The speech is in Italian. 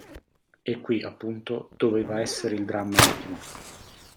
E qui appunto doveva essere il dramma intimo.